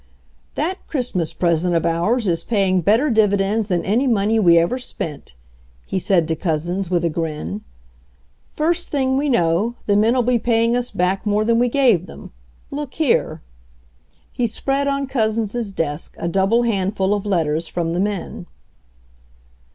"That Christmas present of ours is paying bet ter dividends than any money we ever spent," he said to Couzens with a grin. "First thing we know, the men'll be paying us back more than we gave them. Look here." He spread on Couzens' desk a double handful of letters from the men.